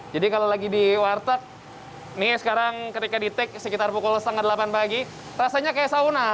jadi kalau lagi di warteg nih sekarang ketika di take sekitar pukul setengah delapan pagi rasanya kayak sauna